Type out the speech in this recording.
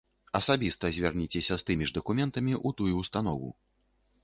Асабіста звярніцеся з тымі ж дакументамі ў тую ўстанову.